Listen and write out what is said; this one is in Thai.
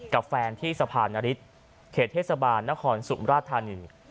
กับแฟนที่สะพานนฤทธิ์เขตเทศบาลนครสุมราชธานี